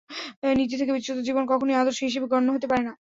নীতি থেকে বিচ্যুত জীবন কখনোই আদর্শ হিসেবে গণ্য হতে পারে না।